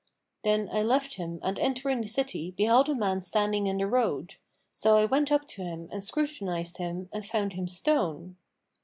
Then I left him and entering the city, beheld a man standing in the road; so I went up to him and scrutinised him and found him stone.